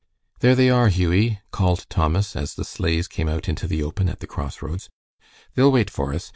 "There they are, Hughie," called Thomas, as the sleighs came out into the open at the crossroads. "They'll wait for us.